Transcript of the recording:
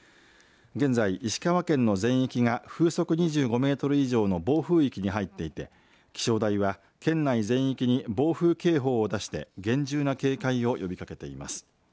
現在、石川県の全域が風速２５メートル以上の暴風域に入っていて気象台は県内全域に暴風警報を出して厳重な警戒を呼びかけています。